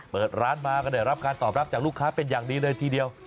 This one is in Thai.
เปิดร้านมาก็ได้รับการตอบรับจากลูกค้าเป็นอย่างดีเลยทีเดียว